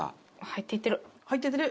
入っていってる。